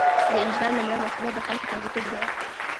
د انجینر لومړی مسؤلیت د خلکو خوندیتوب دی.